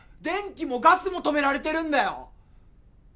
電気もガスも止められてるんだよ！？